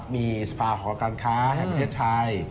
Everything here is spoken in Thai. มีสภาหอการค้าแห่งประเทศไทย